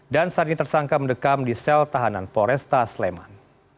dan saat ini tersangka mendekam di sel tahanan polresta sleman